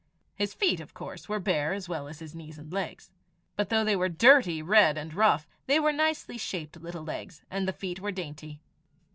His feet, of course, were bare as well as his knees and legs. But though they were dirty, red, and rough, they were nicely shaped little legs, and the feet were dainty.